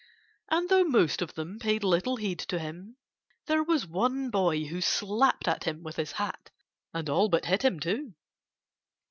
And though most of them paid little heed to him, there was one boy who slapped at him with his hat and all but hit him, too.